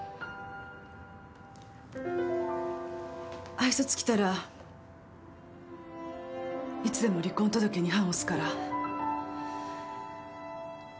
愛想尽きたらいつでも離婚届に判押すから。